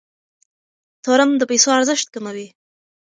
تورم د پیسو ارزښت کموي.